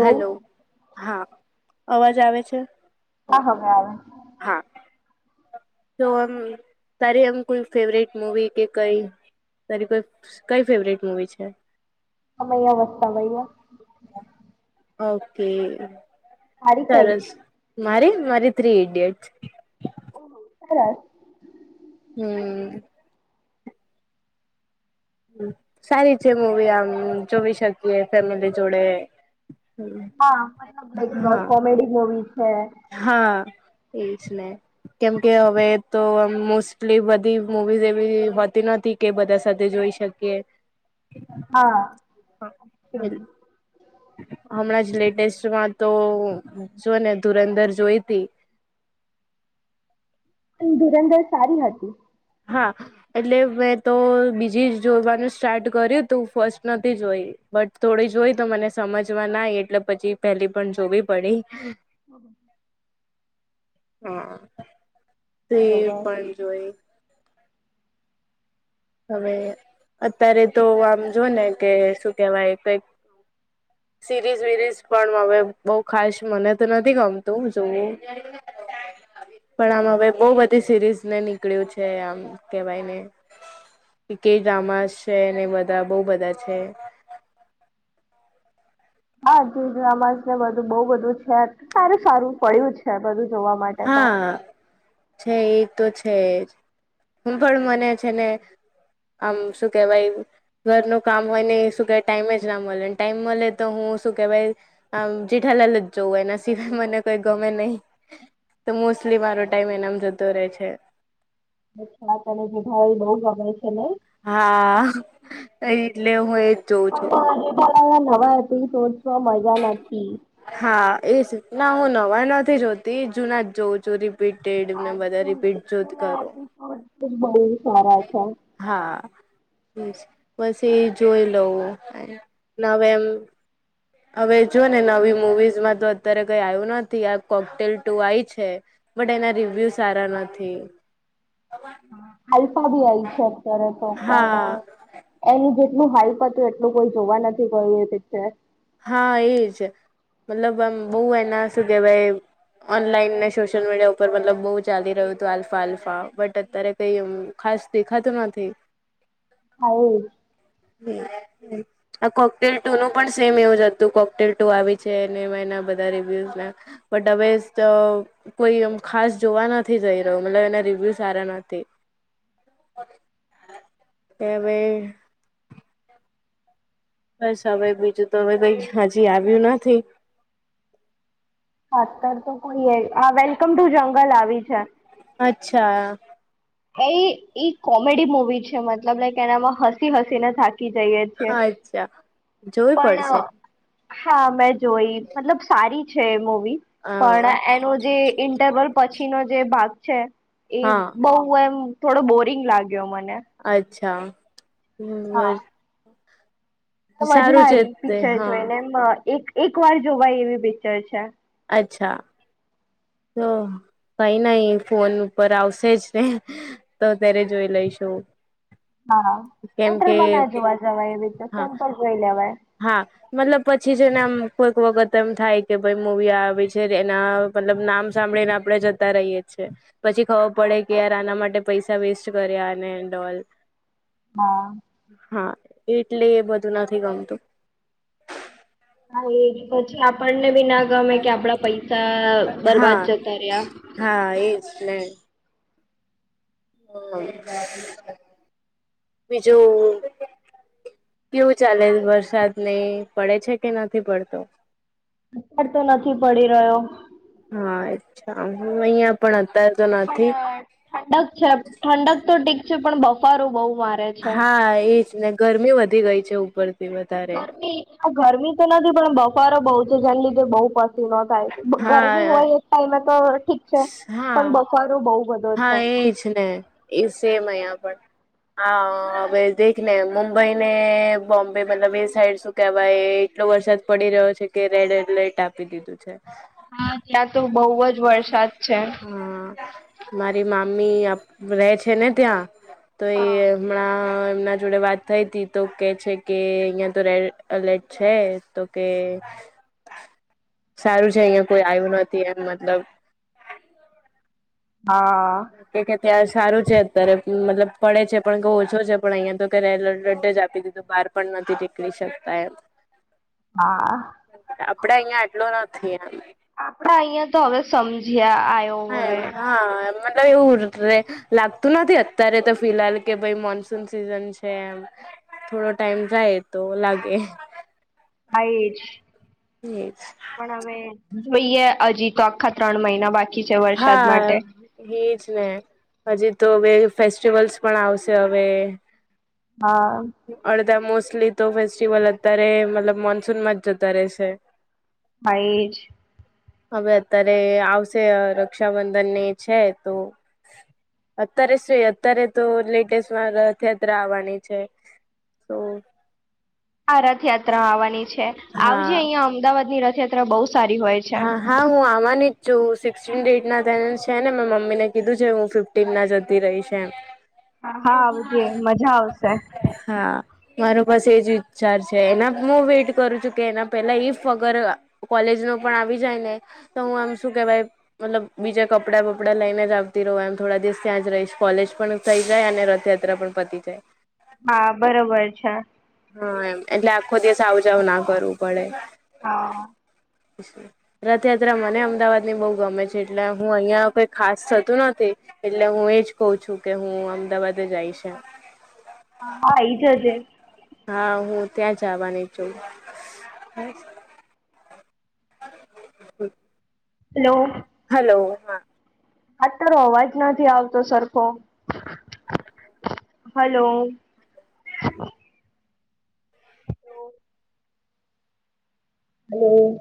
Hello હા અવાજ આવે છે. હા હા હા આવે. હા. તો આમ તારી આમ કોઈ ફેવરેટ મુવી કે કઈ તરી કોઈ કઈ ફેવરટ મુવી છે. રમૈયા વસતાવૈયા. ઓકે સારી કઈ સરસ. મારી મારી થ્રી ઇડિયોટ્સ. ઓ હો સરસ. હમ્મ. હમ્મ. સારી છે મુવી આમ જોવી શકીએ ફેમિલી જોડે. હા મતલબ લાઈક હા કોમેડી મુવી છે. હા એજ ને. કેમકે હવે તો મોસ્ટલી બધી મુવીઝ એવી હોતી નથી કે બધા સાથે જોઈ શકીએ. હા. હમણાં જ લેટેસ્ટમાં તો જો ને ધુરંધર જોઈતી. અહીં ધુરંધર સારી હતી. હા. એટલે મેં તો બીજી જ જોવાનું સ્ટાર્ટ કર્યું તો હું ફર્સ્ટ નથી જોઈ. બટ થોડી જોય તો મને સમજવા ના એટલે પછી પેલી પણ જોવી પડી. [unintelligible] હા તે બરોબર પણ જોય હવે અત્યારે તો આમ જો ને કે શું કેવાય કઈક સીરીઝ વિરીઝ પણ હવે બહું ખાસ મને તો નથી ગમતું જોવું [unintelligible] પણ આમ હવે બહું બધી સિરીઝ ને નીકળ્યું છે આમ કેવાય ને. કે ડ્રામાસ છે ને બધા બઉ બધા છે. હા કે ડ્રામા સા ને બધું બહુ બધું છે સારું સારું પડ્યું છે બધું જોવા માટ હા છે એ તો છે હું પણ મને છે ને આમ શું કેહેવાય ઘર નો કામ હોય ને શું કહેવાય ટાઈમે જ ના મળે ટાઈમ મળે તો હું શું કહેવાય આમ જેઠાલાલ જ જવું એના સિવાય મને કોઈ ગમે નહી. તો મોસ્ટલી મારો ટાઈમ એનામ જતો રહે છે. [unintelligible] તને જેઠાલાલ એ બહુ ગમાય છે ને. હા એટલે હોય [unintelligible] નવા એપિસોડ છે એ મજા નથી. હા એ જ ના હું નવા નથી જોતી જુના જ જોઉં છું રિ રપીડને આ બધા રિપીટ જોત કરું. તે બહુ સારા છે. હા એજ પછી જોઈ લાવું. નવેમ હવે જો ને નવી મુવીઝમાં તો અત્યારે કઈ આવ્યું નથી આ કોકટેલ ટુ આઈ છે. બટ એના રિવ્યુ સારા નથી. આલ્ફા બી આવીય છે અત્યારે તો પણ હા એનું જેટલું હાઈપ હતું એટલું કોઈ જોવા નથી ગયું એ પિક્ચર. હા એજ મતલબ આમ બહુ એના શું કહેવાય ઓનલાઈન ને સોશિયલ મીડિયા ઉપર મતલબ બહુ ચાલી રહ્યું તું આલ્ફા-આલ્ફા, બટ અત્યારે કે એમ ખાસ દેખાતું નથી. હોવ. [inaudible] આ કોકટેલ ટુ નું પણ સેમ એવું જ હતું, કોકટેલ ટુ આવી છે, ને એમ એના બધા રિવ્યુઝ ને. બટ હવેસ ચહ કોઈ એમ ખાસ જોવા નથી જઈ રહ્યો, મતલબ એના રિવ્યુ સારા નથી. [unintelligible] બસ હવે બીજું તો હવે કંઈ હજી આવ્યું નથી. [unintelligible] તો કોઈ એ આ વેલકમ ટુ જંગલ આવી છે. અચ્છા. ઈ-ઈ કોમેડી મુવી છે, મતલબ લાઈકક એનામાં હસી-હસી ને થાકી જઈએે છે. અચ્છા. જોવી પણ, પડશે હા મેં જોઈ, મતલબ સારી છે એ મૂવી. હા પણ એનો જી ઇન્ટરવલ પછીનો જે ભાગ છે ઈ હા બહું એમ થોડો બોરિંગ લાગ્યો મને. અચ્છા હા [unintelligible] તો મજા સારું છે આઈ તે પિક્ચર હા જોઈ ને એમ, એક-એક વાર જોવાય એવી પિક્ચર છે. અચ્છા. તો કંઈ નહીં ફોન ઉપર આવશે જ ને. તો ત્યારે જોઈ લઈશું. હા, હા. કેમ થિયેટર કે માં ના જોવા જવાય એવી રીતે, હા ફોન પર જોઈ લેવાય. હા મતલબ પછી છેને આમ કોઈક વખત એમ થાય કે ભાઈ મૂવી આ આવી છે તો એના મતલબ નામ સાંભળીને આપણે જતા રહીએ છે. પછી ખબર પડે કે હા. યાર આના માટે પૈસા વેસ્ટ કર્યા અને એન્ડ ઓલ. હા. હા, એટલે એ બધું નથી ગમતું. હા એજ. પછી આપણને બી ના ગમે કે આપડા પૈસા બરબાદ હા જતા રહ્યાં. હા એજ ને. હમ્મ. બીજું કેવું ચાલે વરસાદ ને એ, પડે છે કે નથી પડતો? વરસાદ તો નથી પડી રહ્યો. હા અચ્છા. હું અહિયાં પણ અતારે તો નથી પણ ઠંડક છે, ઠંડક તો ઠીક છે, પણ બફારો બહુ [unintelligible] હા એજ ને. ગરમી વધી ગઈ છે ઉપરથી વધારે. આ ગરમી તો નથી પણ બફારો બહુ છે જેને લીધે બહુ પસીનો થાય છે. ગરમી હા હોય ટાઈમે તો ઠીક છે, પણ હા બફારો બહુ વધ હા એજ ને. ઈ સેમ અહિયાં પણ. હા હવે દેખને મુંબઈ ને બોમ્બે મતલબ એ સાઈડ સુ કેવાય એટલો વરસાદ પડી રહ્યો છે કે રેડ એલર્ટ આપી દીધું છે. હા ત્યાં તો બહું જ વરસાદ છે. હા. મારી મામી આપ રહેે છે ને ત્યાં. તો એ હા. હમણાં એમના જોડે વાત થઈ તી તો કે છે કે અહિયાં તો રેડ એલર્ટ છે તો કે સારું છે અહિયાં કોઈ આવ્યું નથી એમ મતલબ હા. ઈ કે ત્યાં સારું છે અત્યારે મતલબ પડે છે, પણ કો ઓછો છે પણ અહિયાં તો કેરે એલર્ટ જ આપી દીધું તો બહાર પણ નથી નીકળી શકતા એમ. હા. આપડે અહિયાં આટલો નથી આમ. આપડા અહિયાં તો હવે સમજ્યા આયો. હવે. હા હા મતલબ એવું રેખ લાગતું નથી અત્યારે તો ફિલાહાલ કે ભાઈ મોનસૂન સિઝન છે એમ. થોડો ટાઈમ જાય તો લાગે. હા એજ. એ જ. પણ હવે જોઈએ હજી તો આખા ત્રણ મહિના બાકી. છે વરસાદ માટે. હા. એજ ને હજી તો હવે ફેસ્ટિવલ્સ પણ આવશે હવે. હા. અડધા મોસ્ટલી તો ફેસ્ટસ્ટિવલ અત્યારે મતલબ મોનસૂનમાં જ જતા રહેશે. હ એ જ. હવે અત્યારે આવશે રક્ષાબંધન ને છે તો અત્યારે સુું અત્યારે તો લેટેસમાં રથયાત્રા આવવાની છે.. તો આ રથયાત્રા આવવાની છે હા આવજે અહિયાં અમદાવાદ ની રથયાત્રા બહુ સારી હોય છે. હા હા હું આવવાની જ છું સિક્નટીન ડેટ નાને છે ને મેં મમ્મીને કીધું છે હું ફિફ ટીમ ના જતી રહીશ એમ. હા આવજે મજા આવશે. હા. મારો પાસે એજ વિચચાર છે એના હું વેઇટ કરું છું કે એના પેલા ઈફ અગર કોલેજ નો પણ આવી જાય ને તો હું એમ શું કેવાય મતલબ બીજા કપડાં બપડાં લઈને જ આવતી રહું એમ થોડા દિવસ ત્યાં જ રહીશ કોલેજ પણ થઈ જાય અને રથયાત્રા પણ પતી જાય. હા બરોબર છે. હા એમ એટલે આખો દિવસ આવજાવ ના કરવું પડે. હા. [inaudible] રથયાત્રા મને અમદાવાદની બહુ ગમે છે એટલે હું અહિયાં કોઈ ખાસ થતું નથી. એટલે હું એજ કહઉ છું કે હું અમદાવાદ આઈશ એમ. હા હા એઈ જજે. હા હું ત્યાં આવાની છું. હલો. હલો હા. આજ તારો અવાજ નથી આવતો સરખો. હલો. તો હમ્મ.